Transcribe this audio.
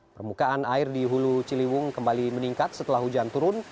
permukaan air di hulu ciliwung kembali meningkat setelah hujan turun